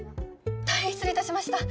大変失礼いたしました。